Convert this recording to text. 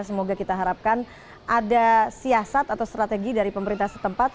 semoga kita harapkan ada siasat atau strategi dari pemerintah setempat